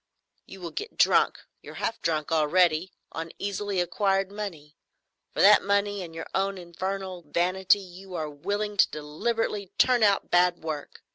You will get drunk—you're half drunk already—on easily acquired money. For that money and your own infernal vanity you are willing to deliberately turn out bad work.